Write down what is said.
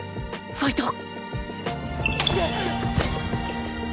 ファイト！